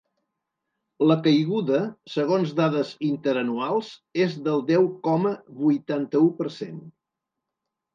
La caiguda, segons dades interanuals, és del deu coma vuitanta-u per cent.